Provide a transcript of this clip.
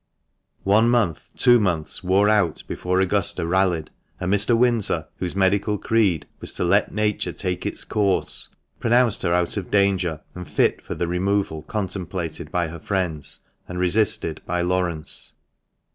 One month, two months wore out before Augusta rallied, and Mr. Windsor, whose medical creed was to "let nature take its course," pronounced her out of danger, and fit for the removal contemplated by her friends, and resisted by Laurence.